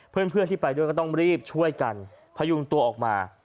เพื่อนที่ไปด้วยก็ต้องรีบช่วยกันพยุงตัวออกมา